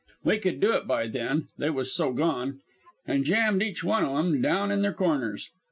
We could do it by then, they was both so gone; an' jammed each one o' 'em down in their corners.